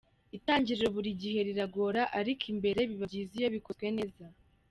Itangiriro buri gihe riragora, ariko imbere biba byiza iyo bikozwe neza.